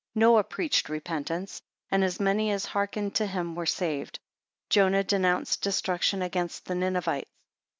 7 Noah preached repentance; and as many as hearkened to him were saved. Jonah denounced destruction against the Ninevites.